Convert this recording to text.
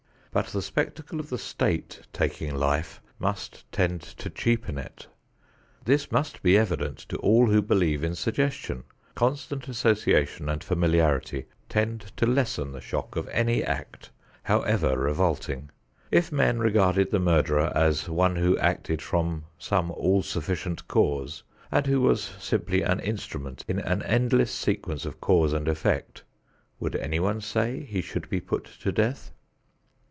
But the spectacle of the state taking life must tend to cheapen it. This must be evident to all who believe in suggestion. Constant association and familiarity tend to lessen the shock of any act however revolting. If men regarded the murderer as one who acted from some all sufficient cause and who was simply an instrument in an endless sequence of cause and effect, would anyone say he should be put to death?